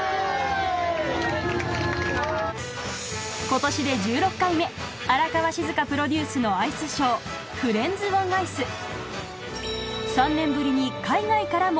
今年で１６回目荒川静香プロデュースのアイスショー今年のテーマはで表現